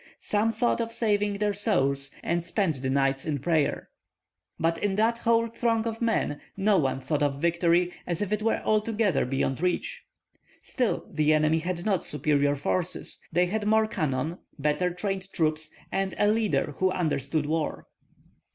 Some thought of saving their souls, and spent the nights in prayer. But in that whole throng of men no one thought of victory, as if it were altogether beyond reach. Still the enemy had not superior forces; they had more cannon, better trained troops, and a leader who understood war.